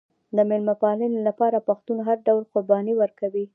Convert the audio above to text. د میلمه پالنې لپاره پښتون هر ډول قرباني ورکوي.